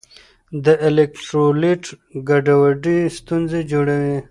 د الیکټرولیټ ګډوډي ستونزې جوړوي.